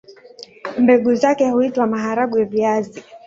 Mbegu zake huitwa maharagwe-viazi.